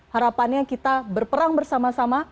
harapannya kita berperang bersama sama